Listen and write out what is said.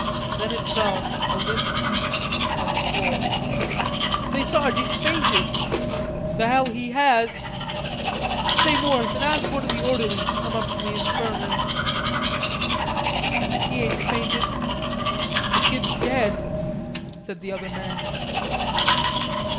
Then it fell a limp heap on the floor. "Say, Sarge, he's fainted." "The hell he has.... Say, Morrison, ask one of the orderlies to come up from the Infirmary." "He ain't fainted.... The kid's dead," said the other man.